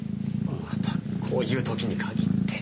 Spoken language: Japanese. またこういう時に限って。